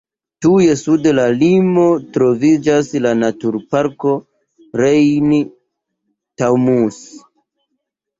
Tuj sude de la limo troviĝas la Naturparko Rhein-Taunus.